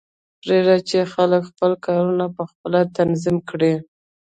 پریږده چې خلک خپل کارونه پخپله تنظیم کړي